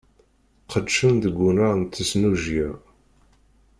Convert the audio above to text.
Qedcen deg unnar n tesnujya.